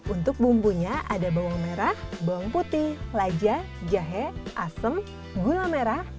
untuk bumbunya ada bawang merah bawang putih laja jahe asem gula merah